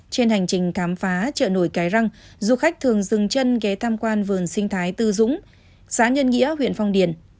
trên hành trình khám phá chợ nổi cái răng du khách thường dừng chân ghé tham quan vườn sinh thái tư dũng xã nhân nghĩa huyện phong điền